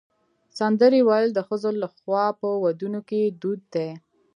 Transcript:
سندرې ویل د ښځو لخوا په ودونو کې دود دی.